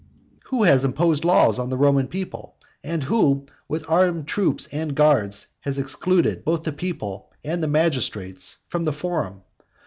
who has imposed laws on the Roman people? and who, with armed troops and guards, has excluded both the people and the magistrates from the forum?